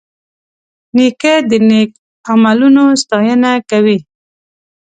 نیکه د نیک عملونو ستاینه کوي.